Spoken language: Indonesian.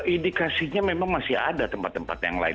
indikasinya memang masih ada tempat tempat yang lain